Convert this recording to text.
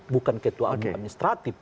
bukan ketua administratif